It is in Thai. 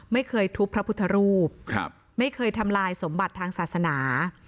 ไม่เคยทุบพระพุทธรูปไม่เคยทำลายสมบัติทางศาสนา